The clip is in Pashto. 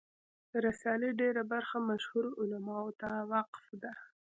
د رسالې ډېره برخه مشهورو علماوو ته وقف ده.